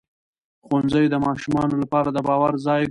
ښوونځی د ماشومانو لپاره د باور ځای دی